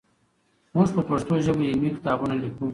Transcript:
موږ په پښتو ژبه علمي کتابونه لیکو.